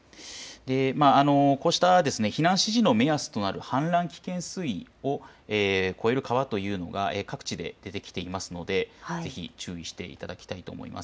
こうした避難指示の目安となる氾濫危険水位を超える川というのが各地で出てきていますのでぜひ注意していただきたいと思います。